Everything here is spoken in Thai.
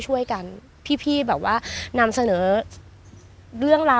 สวัสดีสวัสดีครับ